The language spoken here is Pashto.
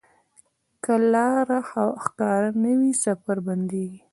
که لاره ښکاره نه وي، سفر بندېږي.